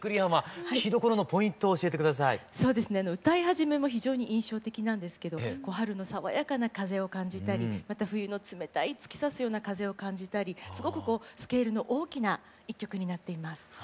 歌い始めも非常に印象的なんですけど春の爽やかな風を感じたりまた冬の冷たい突き刺すような風を感じたりすごくスケールの大きな一曲になっています。